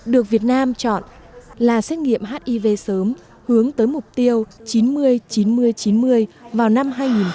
được việt nam chọn là xét nghiệm hiv sớm hướng tới mục tiêu chín mươi chín mươi chín mươi vào năm hai nghìn ba mươi